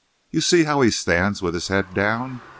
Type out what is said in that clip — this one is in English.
You see how he stands with his head down?